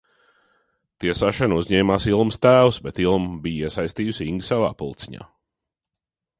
Tiesāšanu uzņēmās Ilmas tēvs, bet Ilma bija iesaistījusi Ingu savā pulciņā.